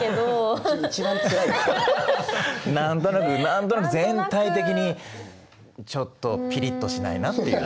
何となく何となく全体的にちょっとピリッとしないなっていう。